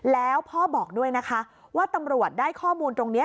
แล้วพ่อบอกด้วยนะคะว่าตำรวจได้ข้อมูลตรงนี้